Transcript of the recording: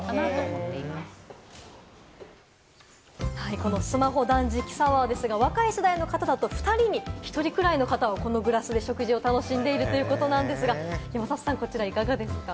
このスマホ断食サワーですが、若い世代の方だと２人に１人くらいの方がこのグラスで食事を楽しんでいるということなんですが、山里さん、こちらいかがですか？